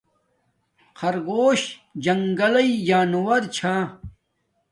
خرگوش جنگل جانورو چھا